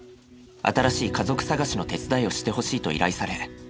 新しい家族探しの手伝いをしてほしいと依頼され